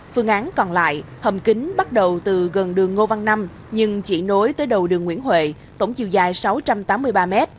phương án còn lại hầm kính bắt đầu từ gần đường ngô văn năm nhưng chỉ nối tới đầu đường nguyễn huệ tổng chiều dài sáu trăm tám mươi ba m